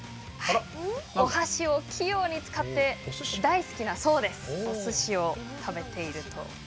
お箸を器用に使って大好きなおすしを食べていると。